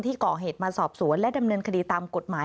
ก่อเหตุมาสอบสวนและดำเนินคดีตามกฎหมาย